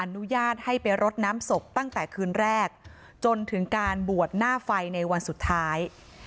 อนุญาตให้ไปรดน้ำศพตั้งแต่คืนแรกจนถึงการบวชหน้าไฟในวันสุดท้าย